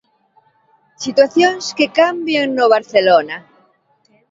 Situacións que cambian no Barcelona.